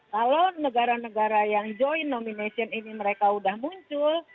kalau negara negara yang join nominasi ini mereka udah muncul